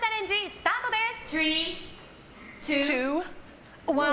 スタートです！